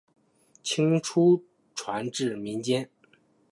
清初传至民间。